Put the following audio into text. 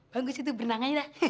bagus itu berenang aja